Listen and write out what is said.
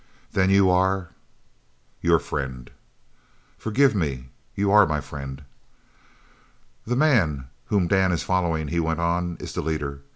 "Then you are " "Your friend." "Forgive me. You are my friend!" "The man whom Dan is following," he went on, "is the leader.